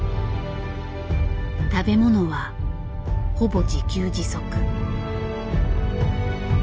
食べ物はほぼ自給自足。